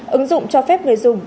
ứng dụng cho phép người dùng